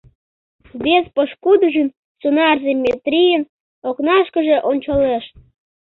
Вес пошкудыжын, сонарзе Метрийын, окнашкыже ончалеш.